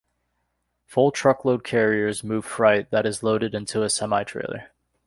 Full truckload carriers move freight that is loaded into a semi-trailer.